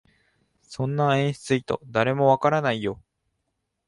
そんな演出意図、誰もわからないよ